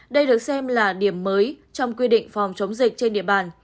đây được xem là điểm mới trong quy định phòng chống dịch trên địa bàn